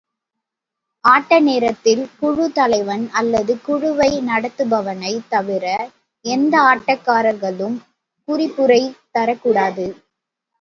ஆட்ட நேரத்தில் குழுத் தலைவன் அல்லது குழுவை நடத்துபவனைத் தவிர எந்த ஆட்டக்காரர்களும் குறிப்புரை தரக்கூடாது.